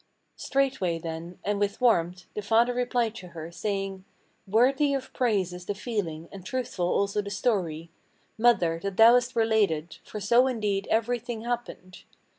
Straightway, then, and with warmth, the father replied to her, saying: "Worthy of praise is the feeling, and truthful also the story, Mother, that thou hast related; for so indeed everything happened.